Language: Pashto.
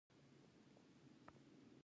دا برخه د لس سلنه پانګوالو لخوا تولیدېدله